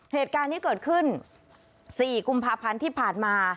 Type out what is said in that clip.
เหตุการณ์นี้เกิดขึ้น๔กุมภาพันธ์ที่ผ่านมา